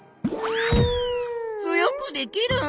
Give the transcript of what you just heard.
強くできるん？